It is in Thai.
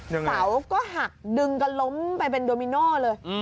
เสาก็หักดึงกันล้มไปเป็นโดมิโน่เลย